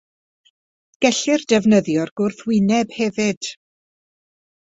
Gellir defnyddio'r gwrthwyneb hefyd.